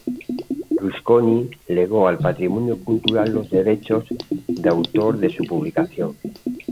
Rusconi legó al patrimonio cultural los derechos de autor de su publicación.